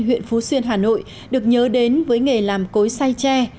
huyện phú xuyên hà nội được nhớ đến với nghề làm cối say tre